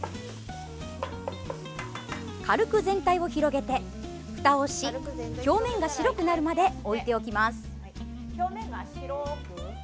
軽く全体を広げて、ふたをし表面が白くなるまで置いておきます。